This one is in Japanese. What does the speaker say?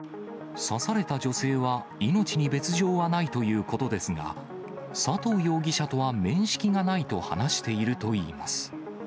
刺された女性は命に別状はないということですが、佐藤容疑者とは面識がないと話しているといいます。